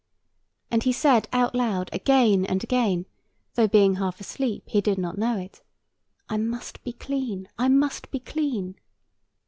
And he said out loud again and again, though being half asleep he did not know it, "I must be clean, I must be clean."